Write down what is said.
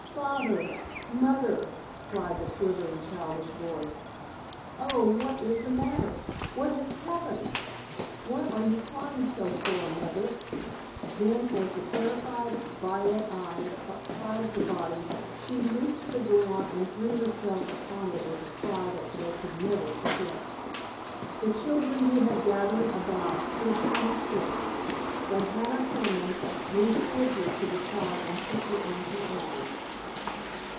"Father—Mother!" cried a quivering, childish voice, "oh, what is the matter? what has happened? what are you crying so for, Mother?" Then, as the terrified violet eyes caught sight of the body, she leaped to the ground and threw herself upon it with a cry that Joe could never forget. The children who had gathered about stood transfixed, but Hannah Peniman moved swiftly to the child and took her in her arms.